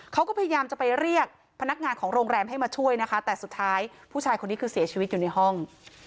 เขาก็พยายามจะไปเรียกพนักงานของโรงแรมให้มาช่วยนะคะแต่สุดท้ายผู้ชายคนนี้คือเสียชีวิตอยู่ในห้อง